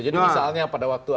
jadi misalnya pada waktu ada